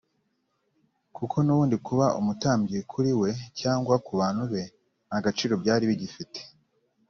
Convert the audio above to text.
kuko n’ubundi kuba umutambyi kuri we cyangwa ku bantu be nta gaciro byari bigifite